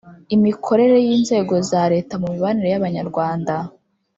Imikorere y inzego za Leta mu mibanire y abanyarwanda